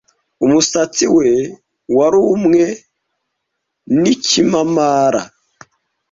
umusatsi we warumwe n'ikimamara